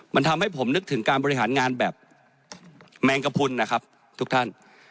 มันทำให้ผมนึกถึงการบริหารงานแบบแมงกระพุนนะครับทุกท่าน